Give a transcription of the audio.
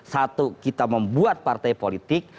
satu kita membuat partai politik